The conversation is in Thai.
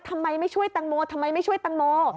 ทำไมไม่ช่วยตังโมทำไมไม่ช่วยตังโม